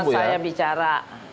setelah saya bicara